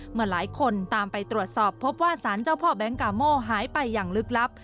หลายคนตามไปตรวจสอบพบว่าสารเจ้าพ่อแบงค์กาโม่หายไปอย่างลึกลับ